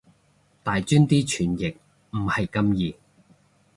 大專啲傳譯唔係咁易